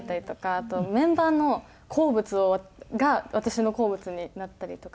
あとメンバーの好物が私の好物になったりとかして。